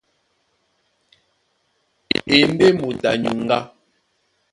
A e ndé moto a nyuŋgá.